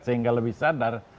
sehingga lebih sadar